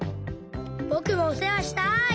ぼくもおせわしたい！